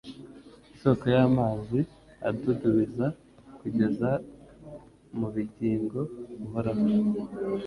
“isoko y’amazi adudubiza kugeza mu bugingo buhoraho